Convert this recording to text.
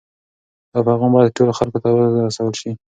دا پیغام باید ټولو خلکو ته ورسول سي.